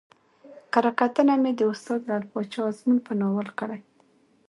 کره کتنه مې د استاد لعل پاچا ازمون په ناول کړى